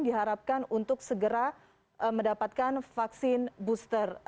diharapkan untuk segera mendapatkan vaksin booster